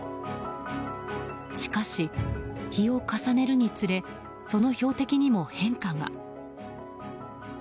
しかし、日を重ねるにつれその標的にも変化が。